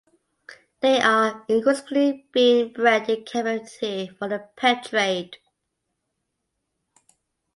They are increasingly being bred in captivity for the pet trade.